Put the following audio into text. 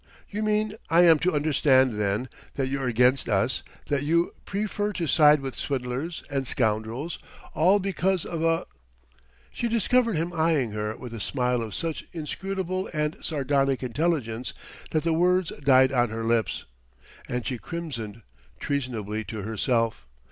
"You mean I am to understand, then, that you're against us, that you prefer to side with swindlers and scoundrels, all because of a " She discovered him eying her with a smile of such inscrutable and sardonic intelligence, that the words died on her lips, and she crimsoned, treasonably to herself.